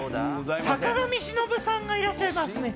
坂上忍さんがいらっしゃいます。